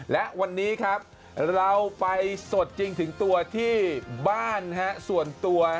และวันนี้ครับเราไปสดจริงถึงตัวที่บ้านส่วนตัว